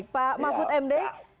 pak mahfud md